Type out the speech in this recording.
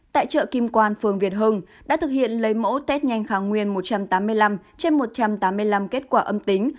tại chợ kim quan phường việt hưng đã thực hiện lấy mẫu test nhanh kháng nguyên một trăm tám mươi năm trên một trăm tám mươi năm kết quả âm tính